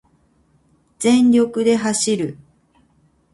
全力で走る